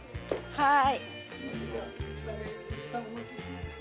はい。